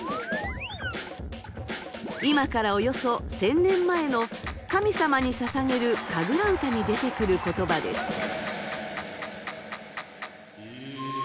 今からおよそ１，０００年前の神様に捧げる神楽歌に出てくる言葉です。